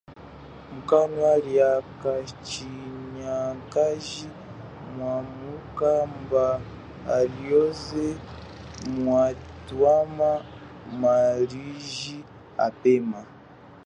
Mukanwa lia kashinakaji mwanukha, mba alioze mwatwama maliji apema.